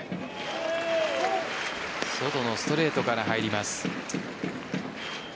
外のストレートから入ります。